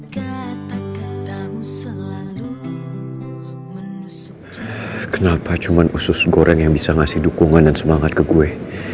kenapa cuma usus goreng yang bisa ngasih dukungan dan semangat ke gue